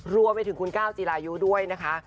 รวมไปถึงคุณก้าวจีรายุด้วยนะคะ